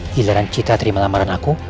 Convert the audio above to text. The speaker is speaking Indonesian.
gila kan cita terima lamaran aku